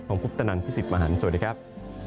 ของกุ๊บตะนันพี่สิทธิ์มหาลสวัสดีครับ